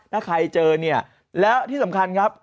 ถ้าใครเจอเนี่ยแล้วที่สำคัญครับ